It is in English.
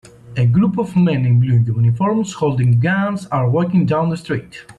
A group of men in blue uniforms, holding guns are walking down the street.